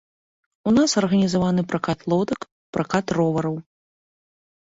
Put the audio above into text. У нас арганізаваны пракат лодак, пракат ровараў.